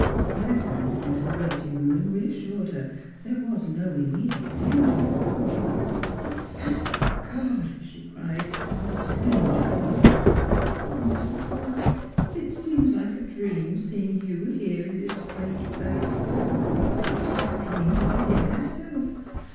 He led her into the little waiting room, and reassured her there was no immediate danger. " Thank God !" she cried, with a strange fervour. _" 0, Mr. Forde, it seems like a dream, seeing you here in this strange {)Iace ; it seems like a dream to be here myself.